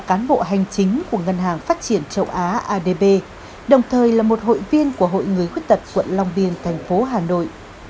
các cán bộ hành chính của ngân hàng phát triển châu á adb đồng thời là một hội viên của hội người khuyết tật quận long biên thành phố hà nội